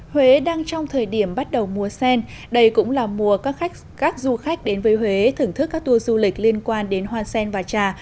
huế đang trong thời điểm bắt đầu mùa sen đây cũng là mùa các du khách đến với huế thưởng thức các tour du lịch liên quan đến hoa sen và trà